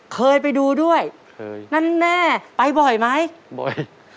เคยไปดูด้วยนั่นแน่ไปบ่อยไหมบ่อย